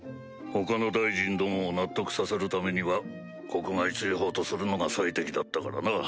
他の大臣どもを納得させるためには国外追放とするのが最適だったからな。